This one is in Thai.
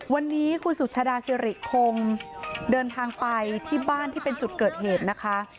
วันนี้คุณสุชาดาสิริคงเดินทางไปที่บ้านที่เป็นจุดเกิดเหตุนะคะ